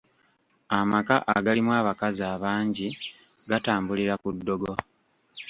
Amaka agalimu abakazi abangi gatambulira ku ddogo.